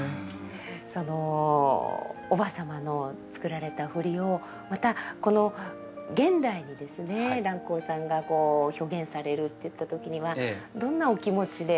そのおばあ様の作られた振りをまたこの現代にですね蘭黄さんが表現されるといった時にはどんなお気持ちで？